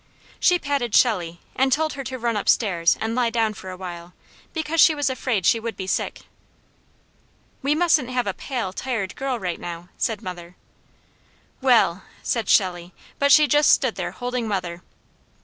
She patted Shelley, and told her to run upstairs and lie down for a while, because she was afraid she would be sick. "We mustn't have a pale, tired girl right now," said mother. "Well!" said Shelley, but she just stood there holding mother.